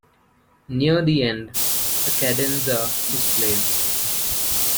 Near the end, a cadenza is played.